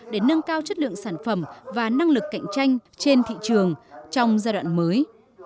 để nâng cao chất lượng sản phẩm và năng lực cạnh tranh trên thị trường trong giai đoạn mới